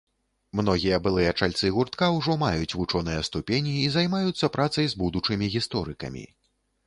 Многія былыя чальцы гуртка ўжо маюць вучоныя ступені і займаюцца працай з будучымі гісторыкамі.